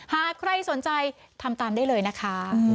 หากใครสนใจทำตามได้เลยนะคะ